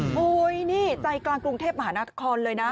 โอ้โหนี่ใจกลางกรุงเทพมหานครเลยนะ